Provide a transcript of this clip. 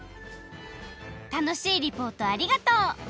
楽しいリポートありがとう！